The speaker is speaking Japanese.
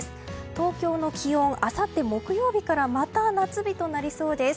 東京の気温、あさって木曜日からまた夏日となりそうです。